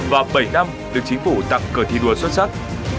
và bảy năm được chính phủ tặng cờ thi đua xuất sắc